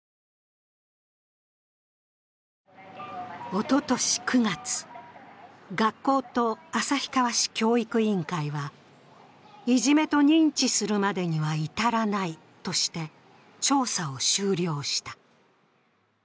おととし９月、学校と旭川市教育委員会は、いじめと認知するまでには至らないとして、調査を終了した。